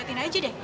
liatin aja deh